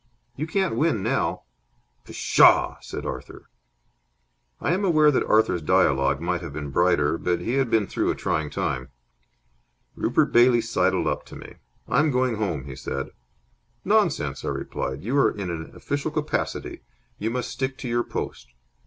"You can't win now." "Pshaw!" said Arthur. I am aware that Arthur's dialogue might have been brighter, but he had been through a trying time. Rupert Bailey sidled up to me. "I'm going home," he said. "Nonsense!" I replied. "You are in an official capacity. You must stick to your post.